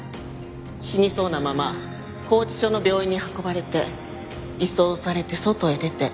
死にそうなまま拘置所の病院に運ばれて移送されて外へ出て。